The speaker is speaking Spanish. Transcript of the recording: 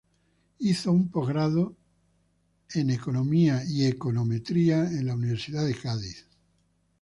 Hizo un postgrado en Economía y Econometría en la Universidad de Southampton.